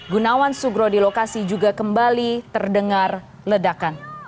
gunawan sugro di lokasi juga kembali terdengar ledakan